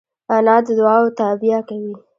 انا د دعاوو تابیا کوي